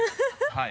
はい。